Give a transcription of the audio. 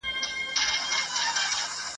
د یاغي کوترو ښکار ته به یې وړلې ..